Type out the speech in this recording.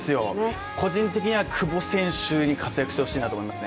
個人的には久保選手に活躍してほしいです。